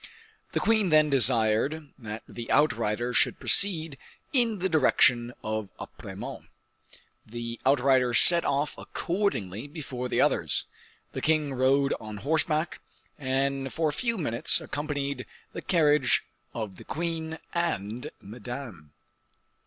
The queen then desired that the outriders should proceed in the direction of Apremont. The outriders set off accordingly before the others. The king rode on horseback, and for a few minutes accompanied the carriage of the queen and Madame.